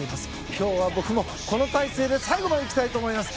今日は僕もこの体勢で最後まで行きたいと思います。